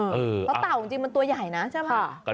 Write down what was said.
เพราะเต่าจริงมันตัวใหญ่นะใช่ไหม